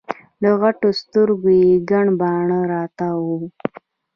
له غټو سترګو یي ګڼ باڼه راتاو وو